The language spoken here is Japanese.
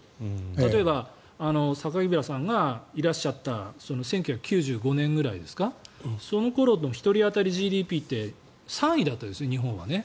例えば榊原さんがいらっしゃった１９９５ねんぐらいですかその頃の１人当たりＧＤＰって３位だったんですよね、日本は。